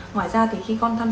ngoài ra thì khi con tham gia